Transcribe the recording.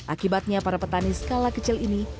akibatnya para petani skala kecil ini